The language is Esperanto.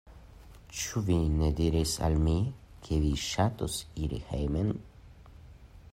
Ĉu vi ne diris al mi, ke vi ŝatus iri hejmon?